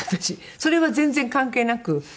それは全然関係なく。